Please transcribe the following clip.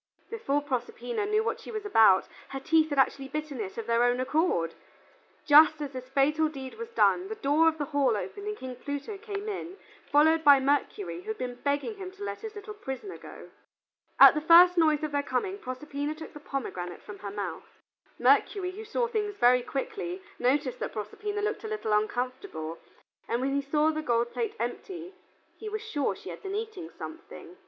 Before Proserpina knew what she was about, her teeth had actually bitten it of their own accord. Just as this fatal deed was done, the door of the hall opened and King Pluto came in, followed by Mercury, who had been begging him to let his little prisoner go. At the first noise of their coming, Proserpina took the pomegranate from her mouth. Mercury, who saw things very quickly, noticed that Proserpina looked a little uncomfortable, and when he saw the gold plate empty, he was sure she had been eating something.